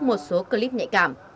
một số clip nhạy cảm